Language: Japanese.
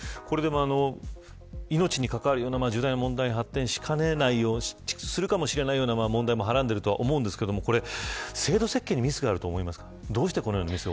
命に関わるような重大な問題に発展しかねない問題もはらんでいるかもしれませんが制度設計にミスがあると思いますか。